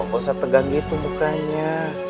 gak usah tegang gitu mukanya